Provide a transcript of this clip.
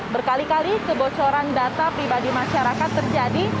berkali kali kebocoran data pribadi masyarakat terjadi